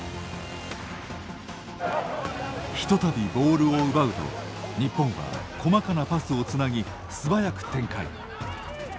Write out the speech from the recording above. ひと度ボールを奪うと日本は、細かなパスをつなぎ素早く展開。